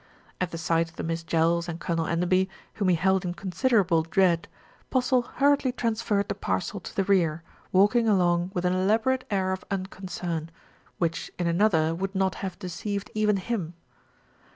At the sight of the Miss Jells and Colonel Enderby, whom he held in considerable dread, Postle hurriedly transferred the parcel to the rear, walking along with 230 THE RETURN OF ALFRED an elaborate air of unconcern, which in another would not have deceived even him.